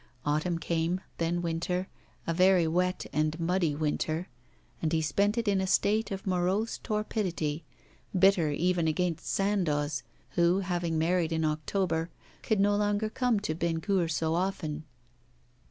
Autumn came, then winter, a very wet and muddy winter, and he spent it in a state of morose torpidity, bitter even against Sandoz, who, having married in October, could no longer come to Bennecourt so often.